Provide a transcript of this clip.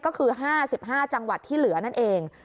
ก็คือ๕๕จังหวัดที่เหลือนั่นเอง